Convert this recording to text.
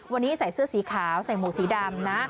วันนี้ใส่เสื้อสีขาวใส่หมวกสีดำนะ